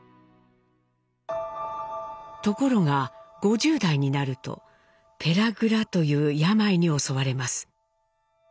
ところが５０代になるとペラグラという病に襲われます。